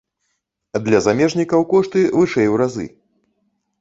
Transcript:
Для замежнікаў кошты вышэй у разы.